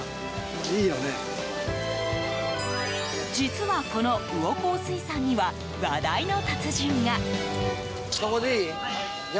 実は、この魚幸水産には話題の達人が。